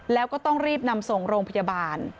แล้วก็ต้องรีบนำส่งโรงพยาบาล